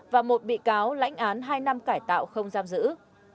và một bị cáo lãnh án hai năm cải tạo không giam giữ